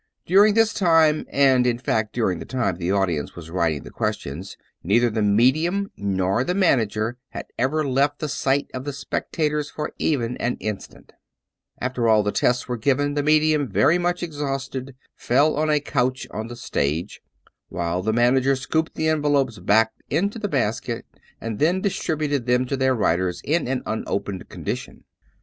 During this time, and in fact during the time the audience was writing the questions, neither the medium nor the manager had ever left the sight of the spectators for even an instant After all the tests were given, the medium, very much exhausted, fell on a couch on the stage; while the man ager scooped the envelopes back into the basket, and then distributed them to their writers in an unopened condition.